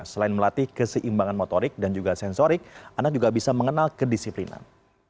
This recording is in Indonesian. selain melatih keseimbangan motorik dan juga sensorik anak juga bisa mengenal kedisiplinan